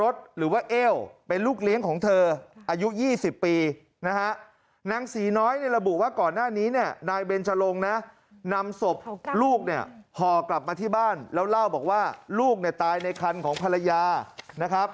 ที่บ้านแล้วเล่าบอกว่าลูกในตายในคันของภรรยานะครับ